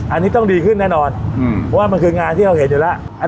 อันนี้ต้องดีขึ้นแน่นอนเพราะว่ามันคืองานที่เราเห็นอยู่แล้ว